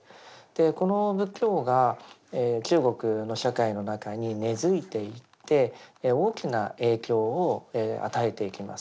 この仏教が中国の社会の中に根づいていって大きな影響を与えていきます。